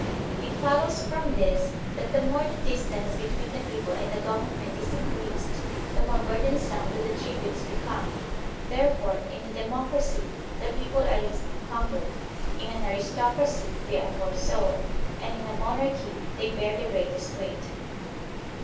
It follows from this that the more the distance between the people and the government is increased, the more burdensome do the tributes become; therefore, in a democracy the people are least encumbered, in an aris tocracy they are more so, and in a monarchy they bear the greatest weight.